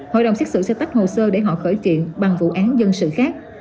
hội đồng xét xử sẽ tắt hồ sơ để họ khởi triện bằng vụ án dân sự khác